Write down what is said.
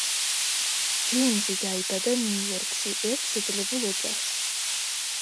ჯეიმზი დაიბადა ნიუ-იორკში ერთ შეძლებულ ოჯახში.